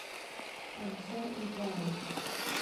Анцәа ибааит.